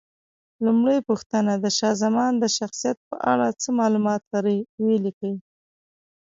لومړۍ پوښتنه: د شاه زمان د شخصیت په اړه څه معلومات لرئ؟ ویې لیکئ.